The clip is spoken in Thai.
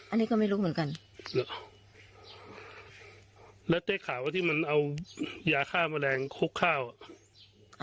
อันนี้ก็ไม่รู้เหมือนกันเหรอแล้วได้ข่าวว่าที่มันเอายาฆ่าแมลงคุกข้าวอ่ะ